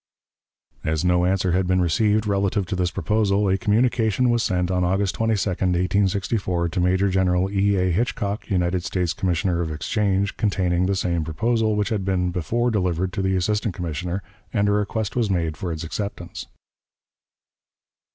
As no answer had been received relative to this proposal, a communication was sent, on August 22, 1864, to Major General E. A. Hitchcock, United States commissioner of exchange, containing the same proposal which had been before delivered to the assistant commissioner, and a request was made for its acceptance.